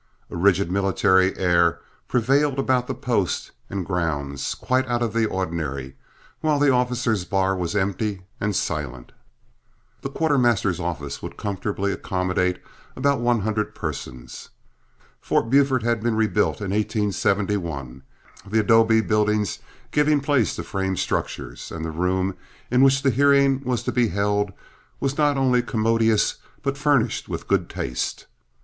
A rigid military air prevailed about the post and grounds, quite out of the ordinary, while the officers' bar was empty and silent. The quartermaster's office would comfortably accommodate about one hundred persons. Fort Buford had been rebuilt in 1871, the adobe buildings giving place to frame structures, and the room in which the hearing was to be held was not only commodious but furnished with good taste.